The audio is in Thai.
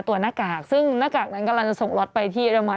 หน้ากากซึ่งหน้ากากนั้นกำลังจะส่งล็อตไปที่เรมัน